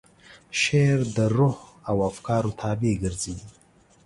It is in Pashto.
شعر د روح او افکارو تابع ګرځي.